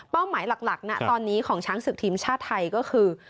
หมายหลักนะตอนนี้ของช้างศึกทีมชาติไทยก็คือ